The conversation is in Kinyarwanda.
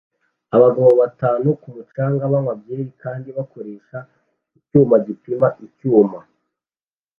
Abagabo batatu ku mucanga banywa byeri kandi bakoresha icyuma gipima icyuma